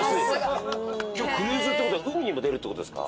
今日クルーズって事は海にも出るって事ですか？